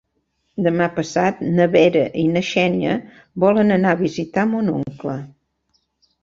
Demà passat na Vera i na Xènia volen anar a visitar mon oncle.